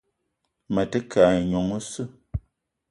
Me te ke ayi nyong oseu.